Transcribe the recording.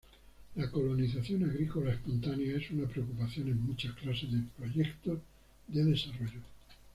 La colonización agrícola espontánea es una preocupación en muchas clases de proyectos de desarrollo.